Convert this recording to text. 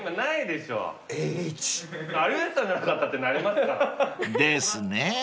［ですね］